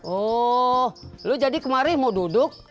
oh lu jadi kemarin mau duduk